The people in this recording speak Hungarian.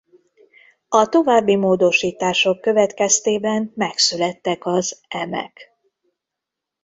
A további módosítások következtében megszülettek az Em-ek.